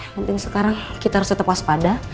mending sekarang kita harus tetap waspada